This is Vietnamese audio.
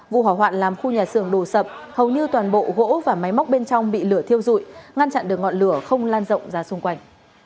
vụ hỏa hoạn làm khu nhà xưởng đổ sập hầu như toàn bộ gỗ và máy móc bên trong bị lửa thiêu dụi ngăn chặn được ngọn lửa không lan rộng ra xung quanh